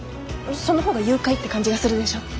その方が誘拐って感じがするでしょ。